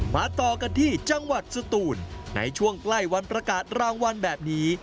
ต่อกันที่จังหวัดสตูนในช่วงใกล้วันประกาศรางวัลแบบนี้